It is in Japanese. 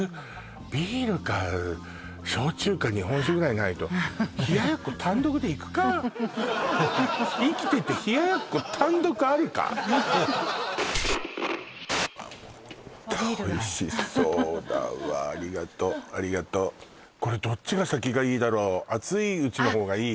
ビールか焼酎か日本酒ぐらいないと生きててうわっもうヤダあっビールだおいしそうだわありがとうありがとうこれどっちが先がいいだろ熱いうちの方がいい？